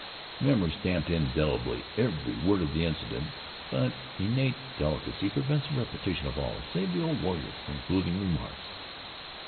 Memory stamped indelibly every word of that incident; but innate delicacy prevents the repetition of all save the old warrior's concluding remarks